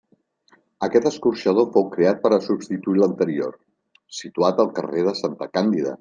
Aquest escorxador fou creat per a substituir l'anterior, situat al carrer de Santa Càndida.